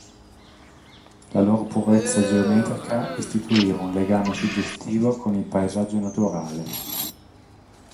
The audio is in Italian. La loro purezza geometrica istituiva un legame suggestivo con il paesaggio naturale.